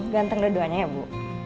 ganteng keduanya ya bu